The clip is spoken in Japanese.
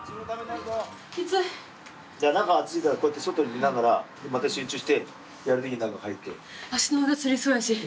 中暑いからこうやって外に出ながらまた集中してやる時に中入って。